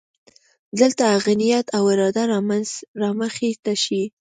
دلته هغه نیت او اراده رامخې ته شي.